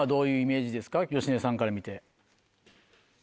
芳根さんから見て。